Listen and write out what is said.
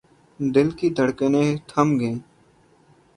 دل کی دھڑکنیں تھم گئیں۔